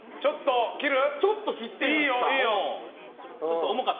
ちょっと切っていいですか？